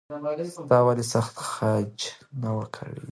تاسو ولې سخت خج نه وکاروئ؟